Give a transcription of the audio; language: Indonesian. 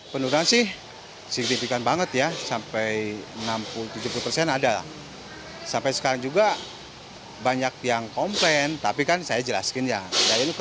pasti adalah konten yang